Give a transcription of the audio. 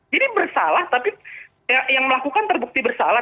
jadi bersalah tapi yang melakukan terbukti bersalah